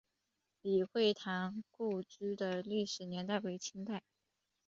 李惠堂故居的历史年代为清代。